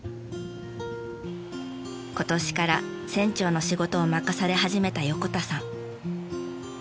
今年から船長の仕事を任され始めた横田さん。